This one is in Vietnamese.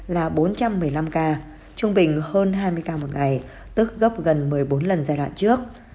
là bốn trăm một mươi năm ca trung bình hơn hai mươi ca một ngày tức gấp gần một mươi bốn lần giai đoạn trước